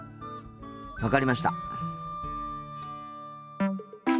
分かりました。